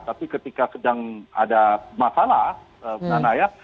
tapi ketika sedang ada masalah